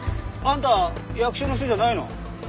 あんた役所の人じゃないの？